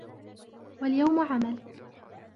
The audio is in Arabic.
وَالْيَوْمُ عَمَلٌ